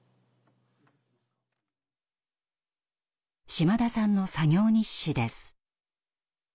島田さんの作業日誌です。